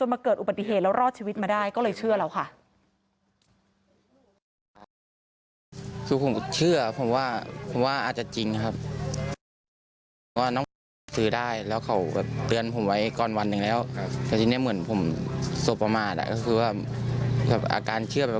เนี่ยไปสัมผัสไปจับมือน้องเพื่อจะดูว่าเอ่อ